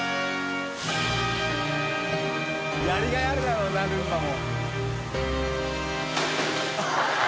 やりがいあるだろうなルンバも。